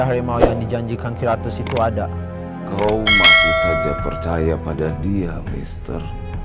harimau yang dijanjikan khiratus itu ada kau masih saja percaya pada dia mister